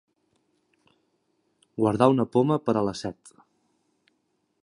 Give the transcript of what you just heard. Guardar una poma per a la set.